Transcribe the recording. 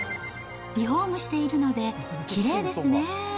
リフォームしているのできれいですね。